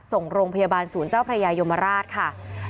ส่งโรงพยาบาลศูนย์เจ้าพระยายมราชค่ะ